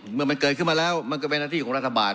เมื่อมันเกิดขึ้นมาแล้วมันก็เป็นหน้าที่ของรัฐบาล